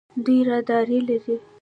دوی رادار لري.